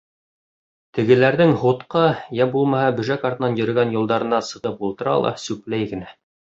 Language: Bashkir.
Тегеләрҙең һутҡа йә булмаһа бөжәк артынан йөрөгән юлдарына сығып ултыра ла сүпләй генә.